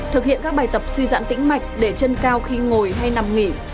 thực hiện các bài tập suy dãn tĩnh mạch để chân cao khi ngồi hay nằm nghỉ